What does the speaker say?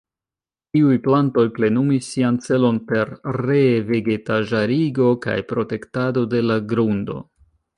Tiuj plantoj plenumis sian celon per re-vegetaĵarigo kaj protektado de la grundo.